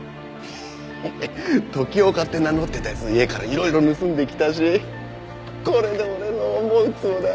時岡って名乗ってた奴の家からいろいろ盗んできたしこれで俺の思うつぼだ。